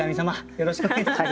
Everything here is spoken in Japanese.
よろしくお願いします。